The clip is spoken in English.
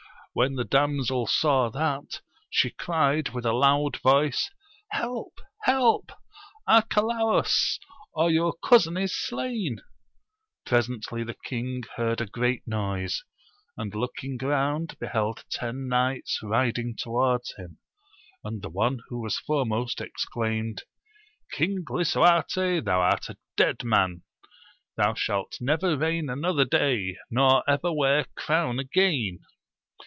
When the damsel saw that, she cried with a loud voice, Help ! help ! Arcalaus ! or your cousin is slain ! Presently the king heard a great noise, and looking round beheld ten knights riding towards him, and the one who was foremost exclaimed, King lisu arte, thou art a dead man ! thou shalt never reign another day, nor ever wear crown again